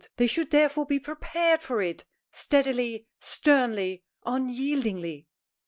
They should therefore be prepared for it, steadily, sternly, unyieldingly!"